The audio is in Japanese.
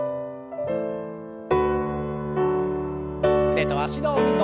腕と脚の運動。